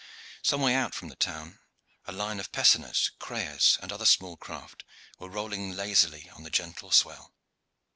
Some way out from the town a line of pessoners, creyers, and other small craft were rolling lazily on the gentle swell.